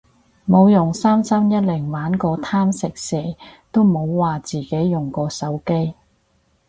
冇用三三一零玩過貪食蛇都唔好話自己用過手機